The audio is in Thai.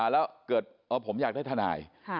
แล้วผมอยากได้ทนาย